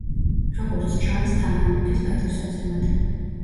როგორც ჩანს, თამარ მეფის პატივსაცემად.